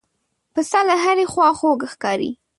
پسه له هرې خوا خوږ ښکاري.